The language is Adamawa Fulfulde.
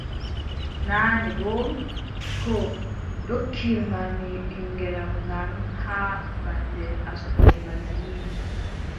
Naane boo, ko ndokkirma mi ɓiŋngel am ngam haa mbaɗen asngol bana nii.